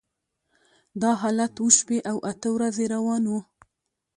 دا حالت اوه شپې او اته ورځې روان و.